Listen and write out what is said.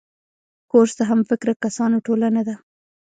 کورس د همفکره کسانو ټولنه ده.